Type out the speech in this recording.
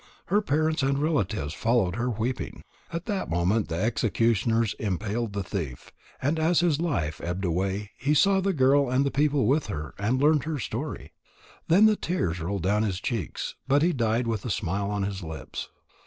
Her parents and her relatives followed her, weeping. At that moment the executioners impaled the thief. As his life ebbed away, he saw the girl and the people with her, and learned her story. Then the tears rolled down his cheeks, but he died with a smile on his lips.